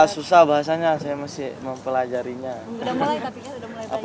susah bahasanya saya mesti mempelajarinya